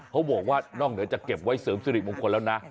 เขาบอกว่านอกเหนือจากเก็บไว้เสริมสิริมงคลแล้วนะ